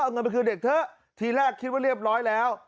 เอาเงินไปคืนเด็กเถอะทีแรกคิดว่าเรียบร้อยแล้ว